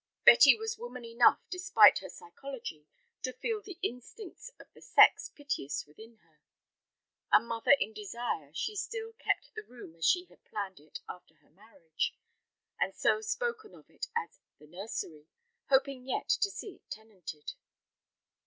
Betty was woman enough despite her psychology to feel the instincts of the sex piteous within her. A mother in desire, she still kept the room as she had planned it after her marriage, and so spoken of it as "the nursery," hoping yet to see it tenanted.